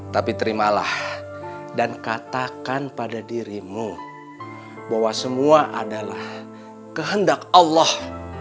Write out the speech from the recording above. tapi terimalah dan katakan pada dirimu bahwa semua adalah kehendak allah